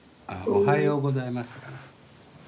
おはようございますかな。